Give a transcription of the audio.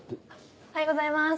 おはようございます。